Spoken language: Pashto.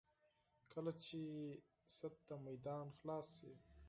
کله چې عقل ته میدان خلاص شي.